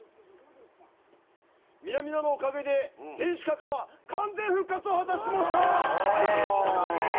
皆々のおかげで天守閣は完全復活を果たし申した！